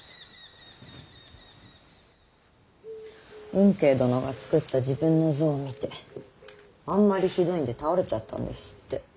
運慶殿が作った自分の像を見てあんまりひどいんで倒れちゃったんですって。